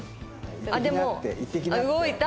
あっでも動いた！